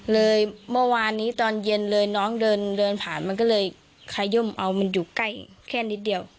เมื่อวานนี้ตอนเย็นเลยน้องเดินเดินผ่านมันก็เลยขยมเอามันอยู่ใกล้แค่นิดเดียว